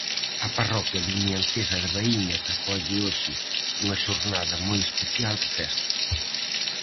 A parroquia vimiancesa de Baíñas acolle hoxe unha xornada moi especial de festa.